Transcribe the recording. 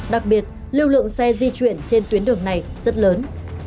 đặc biệt lưu lượng xe di chuyển trên tuyến đường này rất lớn